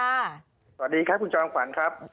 สวัสดีค่ะคุณจอห์นขวัญครับ